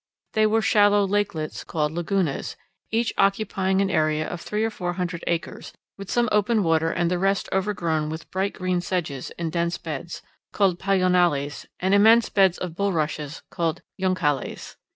They were shallow lakelets, called lagunas, each occupying an area of three or four hundred acres, with some open water and the rest overgrown with bright green sedges in dense beds, called pajonales, and immense beds of bulrushes, called _juncales.